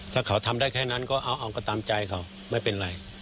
ถ้าเขาทำได้แค่นั้นก็เอาก็ตามใจเขาไม่เป็นไร